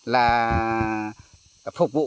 là phục vụ